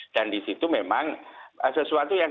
dan disitu memang sesuatu yang